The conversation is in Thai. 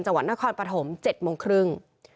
จังหวัดนครปฐม๗โมงครึ่ง